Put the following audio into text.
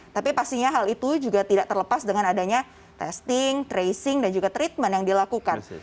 tapi pastinya hal itu juga tidak terlepas dengan adanya testing tracing dan juga treatment yang dilakukan